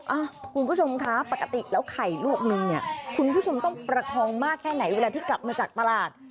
อ่ะคุณผู้ชมคะปกติแล้วไข่ลวกนึงเนี่ยคุณผู้ชมต้องประคองมากแค่ไหนเวลาที่กลับมาจากตลาด